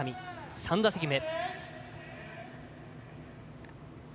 ３打席目。